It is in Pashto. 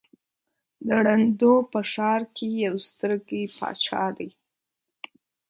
د ړندو په ښآر کې يک سترگى باچا دى.